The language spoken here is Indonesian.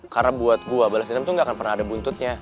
karena buat gue balas dendam tuh gak akan pernah ada buntutnya